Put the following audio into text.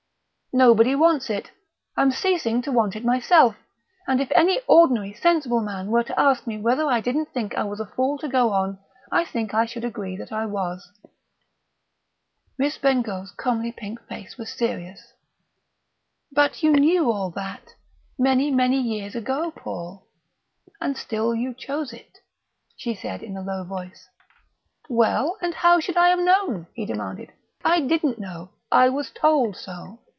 Nobody wants it; I'm ceasing to want it myself; and if any ordinary sensible man were to ask me whether I didn't think I was a fool to go on, I think I should agree that I was." Miss Bengough's comely pink face was serious. "But you knew all that, many, many years ago, Paul and still you chose it," she said in a low voice. "Well, and how should I have known?" he demanded. "I didn't know. I was told so.